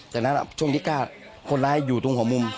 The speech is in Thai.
จากนั้นช่วงที่๙คนร้ายอยู่ตรงหัวมุม